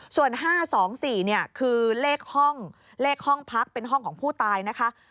ส่วน๕๒๔คือเลขห้องเลขห้องพักเป็นห้องของผู้ตายนะคะ